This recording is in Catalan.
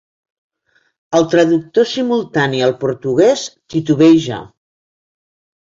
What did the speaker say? El traductor simultani al portuguès titubeja.